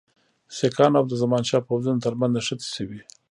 سیکهانو او د زمانشاه پوځونو ترمنځ نښتې سوي.